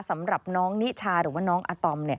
สำหรับน้องนิชาหรือว่าน้องอาตอม